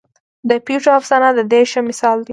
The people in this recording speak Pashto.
د پېژو افسانه د دې ښه مثال دی.